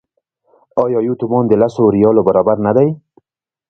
آیا یو تومان د لسو ریالو برابر نه دی؟